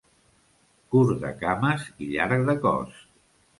Curt de cames i llarg de cos.